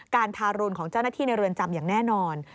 ทารุณของเจ้าหน้าที่ในเรือนจำอย่างแน่นอน